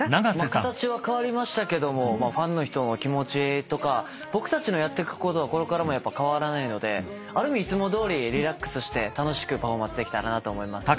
形は変わりましたけどもファンの人の気持ちとか僕たちのやってくことはこれからも変わらないのである意味いつもどおりリラックスして楽しくパフォーマンスできたらなと思います。